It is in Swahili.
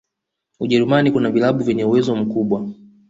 ujerumani kuna vilab vyenye uwezo mkubwa